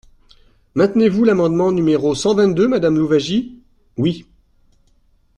Maintenez-vous l’amendement numéro cent vingt-deux, madame Louwagie ? Oui.